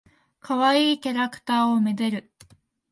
かわいいキャラクターを愛でる。